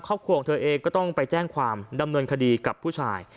ครอบครัวของเธอเองก็ต้องไปแจ้งความดำเนินคดีกับผู้ชาย